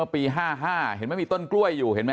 ๒๕๕๕ปี๕๕เห็นไหมมีต้นกล้วยอยู่